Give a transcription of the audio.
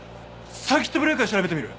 サーキットブレーカー調べてみる？